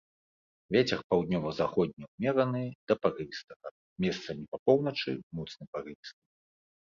Вецер паўднёва-заходні ўмераны да парывістага, месцамі па поўначы моцны парывісты.